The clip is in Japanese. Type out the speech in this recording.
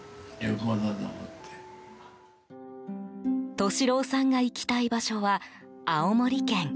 利郎さんが行きたい場所は青森県。